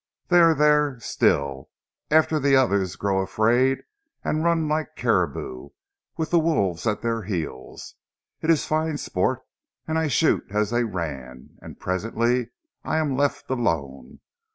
Dey are dere still, after dey others grow afraid an' run like caribou with zee wolves at dere heels. It ees fine sport, an' I shoot as dey ran, an' presently I am left alone.